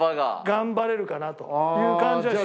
頑張れるかなという感じは。